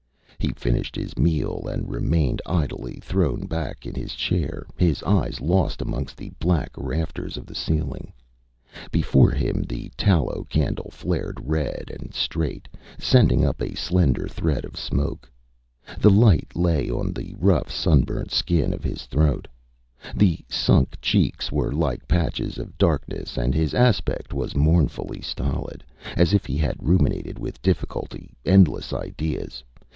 He finished his meal, and remained idly thrown back in his chair, his eyes lost amongst the black rafters of the ceiling. Before him the tallow candle flared red and straight, sending up a slender thread of smoke. The light lay on the rough, sunburnt skin of his throat; the sunk cheeks were like patches of darkness, and his aspect was mournfully stolid, as if he had ruminated with difficulty endless ideas.